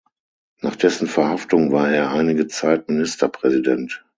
Nach dessen Verhaftung war er einige Zeit Ministerpräsident.